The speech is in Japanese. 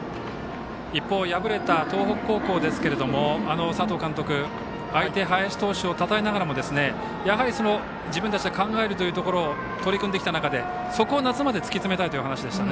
一方敗れた東北高校ですが佐藤監督、相手の林投手をたたえながらもやはり自分たちで考えるというところに取り組んできた中でそこを夏まで突き詰めたいという話でした。